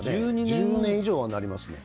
１０年以上はなりますね。